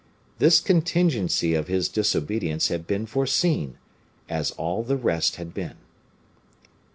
This contingency of his disobedience had been foreseen as all the rest had been.